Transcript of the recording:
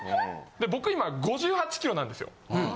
僕今５８ｋｇなんですよ。